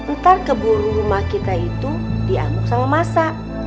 ntar keburu rumah kita itu diangguk sama masa